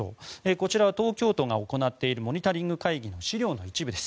こちらは東京が行っているモニタリング会議の資料の一部です。